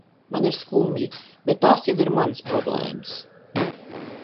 Man ir skumji, bet tās jau ir manas problēmas.